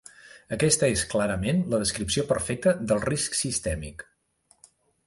Aquesta és, clarament, la descripció perfecta del "risc sistèmic".